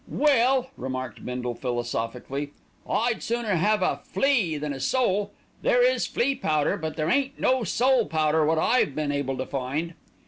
"Well," remarked Bindle philosophically, "I'd sooner 'ave a flea than a soul, there is flea powder but there ain't no soul powder wot I've been able to find."